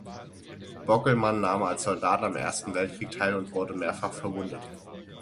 Bockelmann nahm als Soldat am Ersten Weltkrieg teil und wurde mehrfach verwundet.